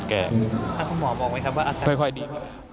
แก่ถ้าคุณหมอมองไว้ครับว่าค่อยค่อยดี